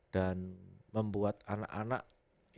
dan membuat anak anak itu betul betul bisa berhasil